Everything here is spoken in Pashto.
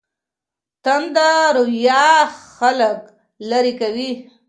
تنده رویه خلګ لیرې کوي.